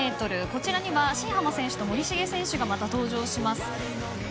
こちらには新濱選手と森重選手がまた登場します。